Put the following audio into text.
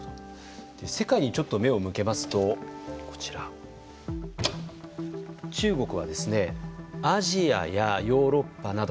世界にちょっと目を向けますとこちら、中国はアジアやヨーロッパなど